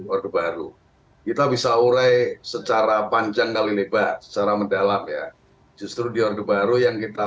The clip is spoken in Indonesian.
orde baru kita bisa urai secara panjang kali lebar secara mendalam ya justru di orde baru yang kita